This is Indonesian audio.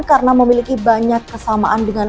karena memiliki banyak kesamaan dengan